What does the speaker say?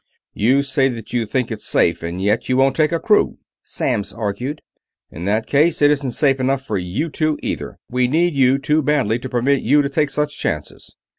"You say that you think that it's safe, and yet you won't take a crew," Samms argued. "In that case it isn't safe enough for you two, either. We need you too badly to permit you to take such chances."